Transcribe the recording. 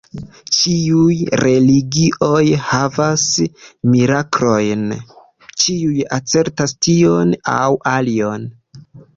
Ĉiuj religioj havas miraklojn, ĉiuj asertas tion aŭ alion.